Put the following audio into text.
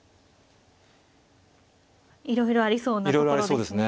いろいろありそうなところですね。